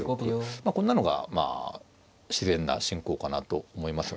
まあこんなのが自然な進行かなと思いますよね。